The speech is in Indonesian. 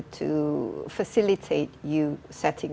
untuk menetapkan sesuatu seperti ini